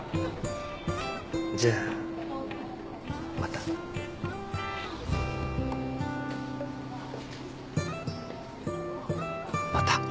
じゃあまた。